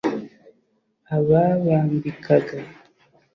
ababambikaga